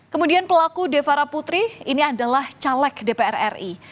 kemudian pelaku devara putri ini adalah caleg dpr ri